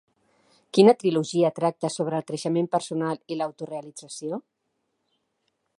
Quina trilogia tracta sobre el creixement personal i l'autorealització?